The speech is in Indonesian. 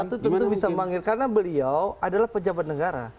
komisi satu tentu bisa memanggil karena beliau adalah pejabat negara